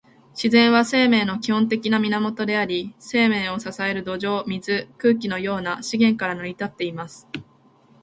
自然は、生命の基本的な源であり、生命を支える土壌、水、空気のような資源から成り立っています。